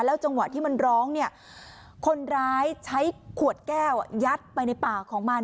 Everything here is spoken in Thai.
จังหวะที่มันร้องเนี่ยคนร้ายใช้ขวดแก้วยัดไปในปากของมัน